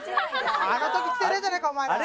あの時来てねえじゃねえかお前ら。